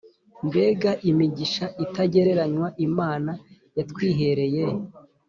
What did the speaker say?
Mbega imigisha itagereranywa imana yatwihereye